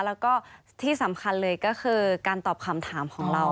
แล้วก็ที่สำคัญเลยก็คือการตอบคำถามของเรา